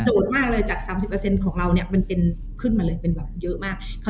กระโดดมากเลยจากสามสิบเปอร์เซ็นต์ของเราเนี่ยมันเป็นขึ้นมาเลยเป็นหล่อนเยอะมาก